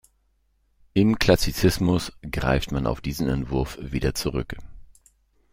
Im Klassizismus griff man auf diesen Entwurf wieder zurück.